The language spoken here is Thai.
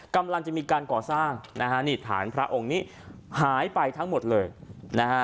กำลังจะมีการก่อสร้างนะฮะนี่ฐานพระองค์นี้หายไปทั้งหมดเลยนะฮะ